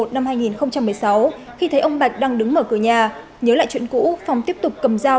một mươi một năm hai nghìn một mươi sáu khi thấy ông bạch đang đứng mở cửa nhà nhớ lại chuyện cũ phong tiếp tục cầm dao